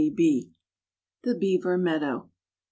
THE BEAVER MEADOW.